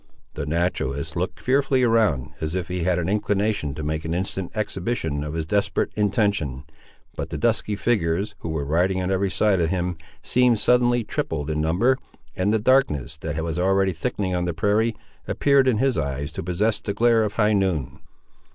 The naturalist looked fearfully around, as if he had an inclination to make an instant exhibition of his desperate intention; but the dusky figures, who were riding on every side of him, seemed suddenly tripled in number, and the darkness, that was already thickening on the prairie, appeared in his eyes to possess the glare of high noon.